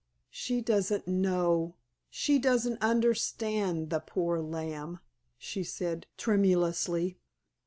"She doesn't know—she doesn't understand, the poor lamb," she said tremulously.